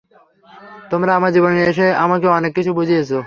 তোমরা আমার জীবনে এসে আমাকে অনেককিছু বুঝিয়েছ।